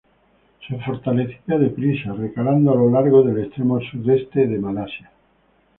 Se fortalecía deprisa re-calando a lo largo del extremo sudeste de Malasia.